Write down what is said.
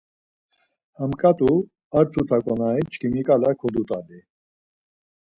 Ha ǩat̆u ar tuta ǩonari çkimiǩala kodut̆ali.